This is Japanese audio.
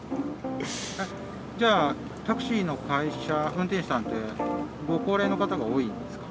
じゃあタクシーの会社運転手さんってご高齢の方が多いんですか？